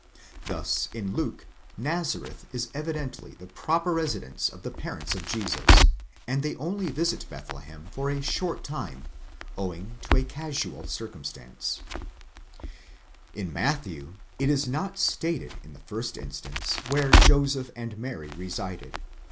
Thus in Luke, Nazareth is evidently the proper residence of the parents of Jesus, and they only visit Bethlehem for a short time, owing to a casual circumstance, BIRTH AND EARLY LIFE OF JESUS. 185 In Matthew, it is not stated in the first instance where Joseph and Mary resided.